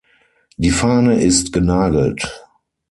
Die Fahne ist genagelt.